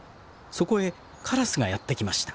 そこへカラスがやって来ました。